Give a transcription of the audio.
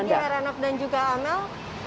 selamat pagi rehanaf dan juga amel